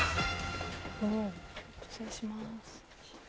失礼します。